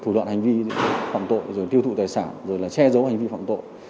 thủ đoạn hành vi phạm tội rồi tiêu thụ tài sản rồi là che giấu hành vi phạm tội